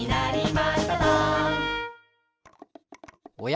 おや？